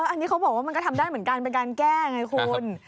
อันนี้เขาบอกว่ามันก็ทำได้เหมือนกันเป็นการแก้ไงคุณ